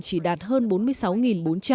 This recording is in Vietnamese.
chỉ đạt hơn bốn mươi sáu bốn trăm linh